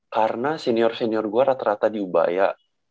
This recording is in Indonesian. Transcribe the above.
karena senior senior gue rata rata di ubaya